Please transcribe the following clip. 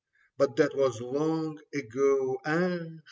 But that was long ago, ah !